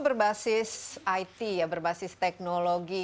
berbasis it ya berbasis teknologi